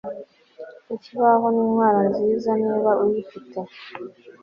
Ikibaho nintwaro nziza niba uyifite